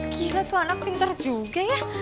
gila tuh anak pintar juga ya